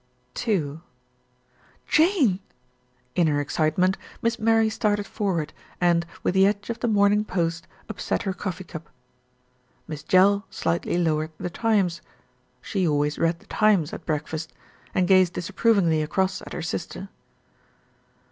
n "Jane!" In her excitement, Miss Mary started forward and, with the edge of The Morning Post, upset her coffee cup. Miss Jell slightly lowered The Times; she always read The Times at breakfast, and gazed disapprov ingly across at her sister.